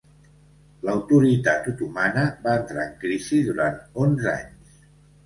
L'autoritat otomana va entrar en crisi durant onze anys.